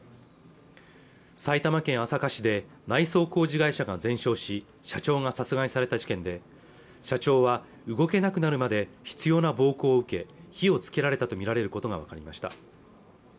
埼玉県朝霞市で内装工事会社が全焼し社長が殺害された事件で社長は動けなくなるまで執ような暴行を受け火をつけられたと見られることが分かりました